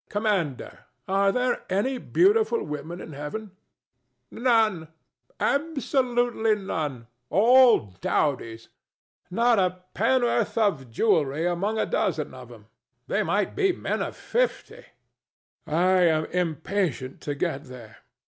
Commander: are there any beautiful women in Heaven? THE STATUE. None. Absolutely none. All dowdies. Not two pennorth of jewellery among a dozen of them. They might be men of fifty. DON JUAN. I am impatient to get there.